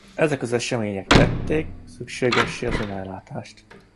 Ezek az események tették szükségessé az önellátást.